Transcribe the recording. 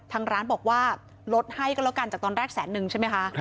ทางร้านบอกว่าลดให้ก็แล้วกันจากตอนแรกแสนนึงใช่ไหมคะ